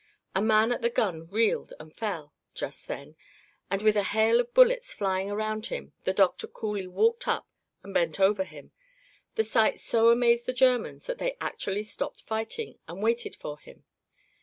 A man at the gun reeled and fell, just then, and with a hail of bullets flying around him the doctor coolly walked up and bent over him. The sight so amazed the Germans that they actually stopped fighting and waited for him.